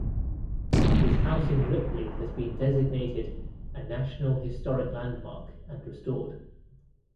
His house in Ripley has been designated a National Historic Landmark and restored.